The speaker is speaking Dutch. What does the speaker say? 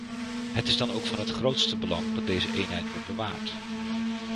Het is dan ook van het grootste belang dat deze eenheid wordt bewaard.